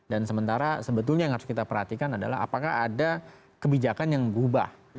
dan sementara sebetulnya yang harus kita perhatikan adalah apakah ada kebijakan yang berubah